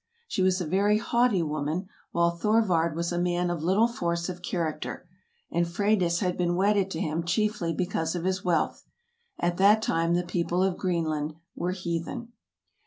She was a very haughty woman, while Thorvard was a man of little force of character, and Freydis had been wedded to him chiefly because of his wealth. At that time the people of Green land were heathen.